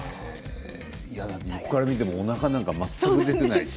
横から見てもおなかなんか全く出ていないし。